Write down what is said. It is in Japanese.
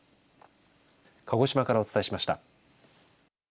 鹿児島からお伝えしました。